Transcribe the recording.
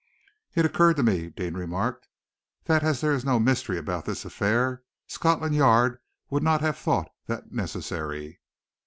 "It occurred to me," Deane remarked, "that as there is no mystery about this affair, Scotland Yard would not have thought that necessary."